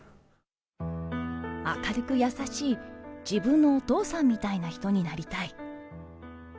明るく優しい自分のお父さんみたいな人になりたい。